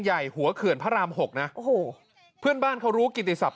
ชาวบ้านในพื้นที่บอกว่าไอข้างมีฉายานะพี่น้ำแข็ง